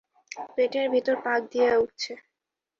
পেটের ভেতর পাক দিয়ে উঠছে।